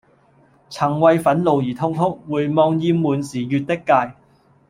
曾為憤怒而痛哭回望厭悶時越的界